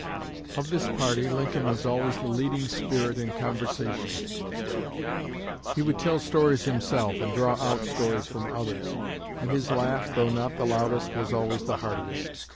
Of this party Lincoln was always the leading spirit in conversation. He would tell stories himself, and draw out stories from others; and his laugh, though not the loudest, was always the heartiest.